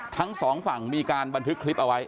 ทั้งสองฝั่งมีการบันทึกคลิปเอาไว้